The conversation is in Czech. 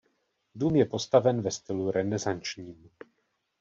Dům je postaven ve stylu renesančním.